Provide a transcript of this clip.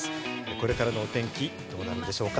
これからのお天気どうなるでしょうか？